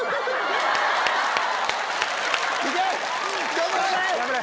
頑張れ！